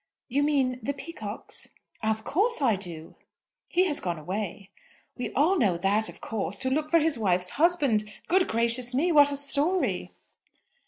"You mean the Peacockes?" "Of course I do." "He has gone away." "We all know that, of course; to look for his wife's husband. Good gracious me! What a story!"